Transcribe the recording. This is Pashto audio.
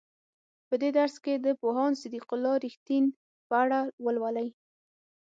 په دې درس کې د پوهاند صدیق الله رښتین په اړه ولولئ.